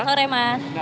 selamat sore mas